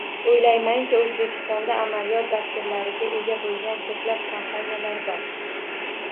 Oʻylaymanki, Oʻzbekistonda amaliyot dasturlariga ega boʻlgan koʻplab kompaniyalar bor.